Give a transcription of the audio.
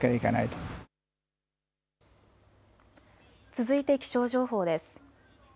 続いて気象情報です。